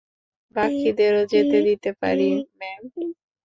বাকীদেরও যেতে দিতে পারি, ম্যাম।